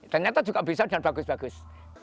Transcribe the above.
ternyata juga bisa dan bagus bagus